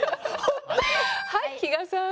はい比嘉さん。